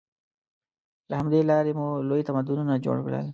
له همدې لارې مو لوی تمدنونه جوړ کړل.